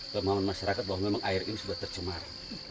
kemauan masyarakat bahwa memang air ini sudah tercemar